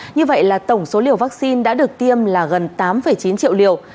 như vậy là tổng số liều vaccine đã được tiêm là gần tám chín triệu liều